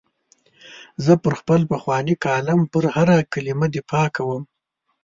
زه پر خپل پخواني کالم پر هره کلمه دفاع کوم.